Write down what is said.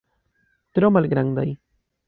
Tro malgrandaj.